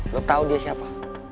lo tau dia siapa